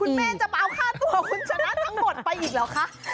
คุณเมนจะมาเอาค่าตัวคุณชนะทั้งหมดไปอีกเหรอคะ